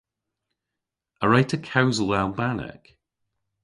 A wre'ta kewsel Albanek?